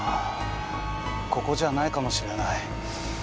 ここじゃないかもしれない。